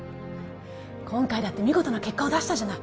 今回だって見事な結果を出したじゃない